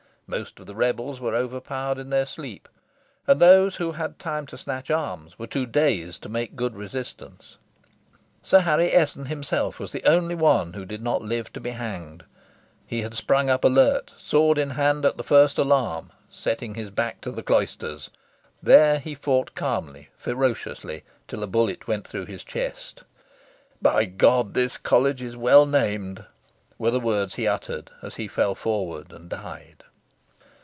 Most of the rebels were overpowered in their sleep; and those who had time to snatch arms were too dazed to make good resistance. Sir Harry Esson himself was the only one who did not live to be hanged. He had sprung up alert, sword in hand, at the first alarm, setting his back to the cloisters. There he fought calmly, ferociously, till a bullet went through his chest. "By God, this College is well named!" were the words he uttered as he fell forward and died.